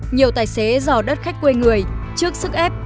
nhiều tài xế dò đắt khách quê người trước sức ép